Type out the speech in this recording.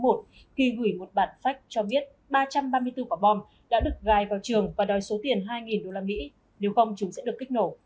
khi gửi một bản phách cho biết ba trăm ba mươi bốn quả bom đã được gài vào trường và đòi số tiền hai usd nếu không chúng sẽ được kích nổ